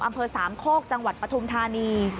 อำเภอสามโคกจังหวัดปฐุมธานี